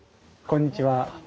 こんにちは。